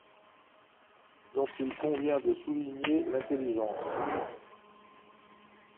dont il convient de souligner l’intelligence.